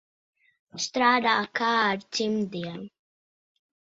Strādā kā ar cimdiem.